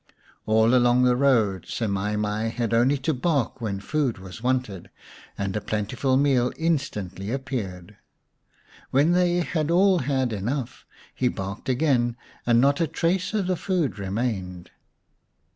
All along the road Semai mai had only to bark when food was wanted, and a plentiful meal instantly appeared. When they had all had enough he barked again, and not a trace of the food remained.